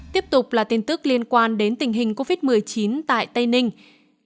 tiếp tục là tin tức liên quan đến tình hình covid một mươi chín tại thành phố điện biên phủ